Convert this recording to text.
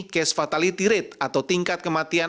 case fatality rate atau tingkat kematian